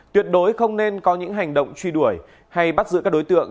tuyệt đối không nên có những hành động truy đuổi hay bắt giữ các đối tượng